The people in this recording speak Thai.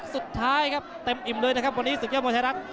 สุดท้ายนะครับ